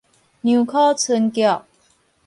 梁許春菊